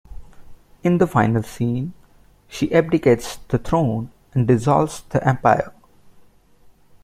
In the final scene she abdicates the throne and dissolves the Empire.